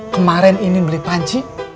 kemaren ini beli panci